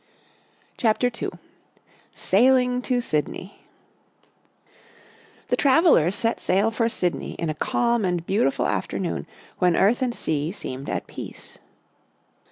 CHAPTER II SAILING TO SYDNEY The travellers set sail for Sydney in a calm and beautiful afternoon when earth and sea seemed at peace.